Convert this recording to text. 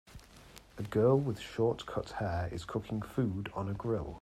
A girl with short cut hair is cooking food on a grill.